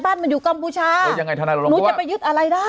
บ้านมันอยู่กัมพูชาหนูจะไปยึดอะไรได้